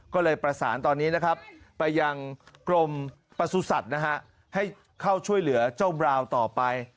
ก็เลยประสานตอนนี้นะครับไปยังกรมประสุทธิ์สัตว์นะฮะให้เข้าช่วยเหลือเจ้าบราวต่อไป